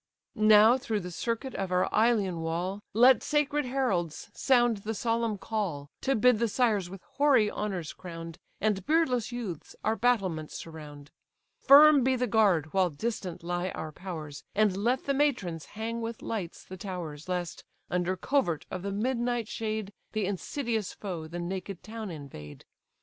Now through the circuit of our Ilion wall, Let sacred heralds sound the solemn call; To bid the sires with hoary honours crown'd, And beardless youths, our battlements surround. Firm be the guard, while distant lie our powers, And let the matrons hang with lights the towers; Lest, under covert of the midnight shade, The insidious foe the naked town invade.